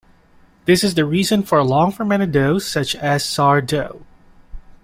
This is the reason for long fermented doughs such as sour dough.